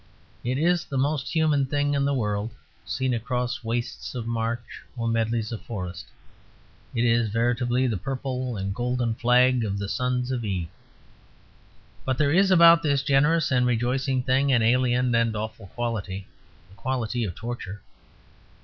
It is the most human thing in the world; seen across wastes of marsh or medleys of forest, it is veritably the purple and golden flag of the sons of Eve. But there is about this generous and rejoicing thing an alien and awful quality: the quality of torture.